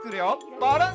バランス！